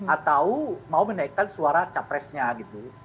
atau mau menaikkan suara capresnya gitu